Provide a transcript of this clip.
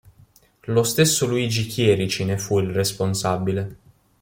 Lo stesso Luigi Chierici ne fu il responsabile.